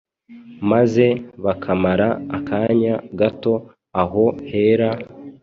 maze bakamara akanya gato aho hera,